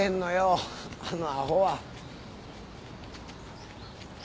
あのアホは。